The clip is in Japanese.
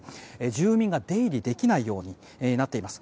住民が出入りできないようになっています。